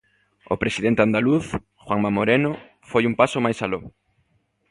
O Presidente andaluz, Juanma Moreno, foi un paso máis aló.